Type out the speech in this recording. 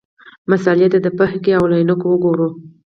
مسألې ته د فقهې له عینکو وګورو.